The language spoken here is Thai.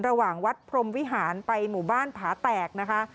ระหว่างวัดพรมวิหารไปหมู่บ้านผาแตกนะคะ